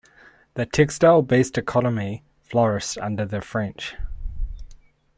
The textile-based economy flourished under the French.